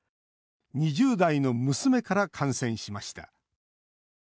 ２０代の娘から感染しました。